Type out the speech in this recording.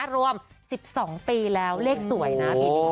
รวม๑๒ปีแล้วเลขสวยนะ